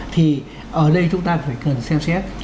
thì ở đây chúng ta cần xem xét